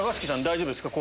大丈夫ですか？